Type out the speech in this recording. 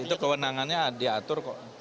itu kewenangannya diatur kok